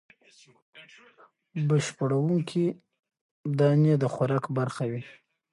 بشپړوونکې دانې د خوراک برخه وي.